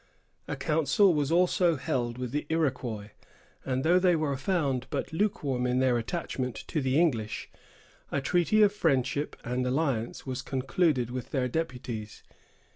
A council was also held with the Iroquois, and though they were found but lukewarm in their attachment to the English, a treaty of friendship and alliance was concluded with their deputies.